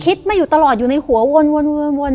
คิดมาอยู่ตลอดอยู่ในหัววน